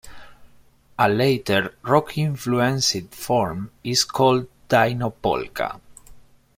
A later, rock-influenced form is called "dyno" polka.